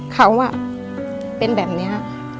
เขาเป็นแบบนี้